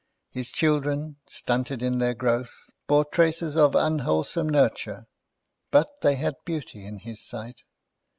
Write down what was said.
His children, stunted in their growth, bore traces of unwholesome nurture; but they had beauty in his sight.